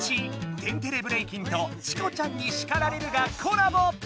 「天てれブレイキン」と「チコちゃんに叱られる」がコラボ！